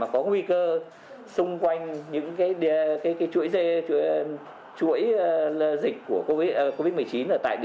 có nguy cơ xung quanh những chuỗi dịch covid một mươi chín